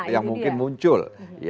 yang mungkin muncul